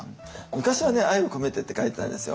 昔は「愛を込めて」って書いてたんですよ。